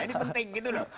ini penting gitu loh